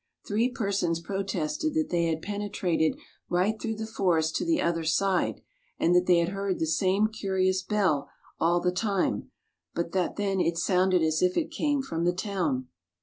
Three persons protested that they had penetrated right through the forest to the other side, and that they had heard the same curious bell all the time, but that then it sounded as if it came from the town.